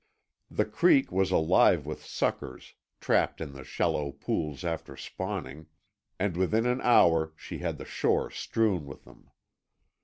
The creek was alive with suckers, trapped in the shallow pools after spawning, and within an hour she had the shore strewn with them.